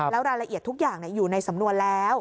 แล้วรายละเอียดทุกอย่างอยู่ในสำนวนแล้ว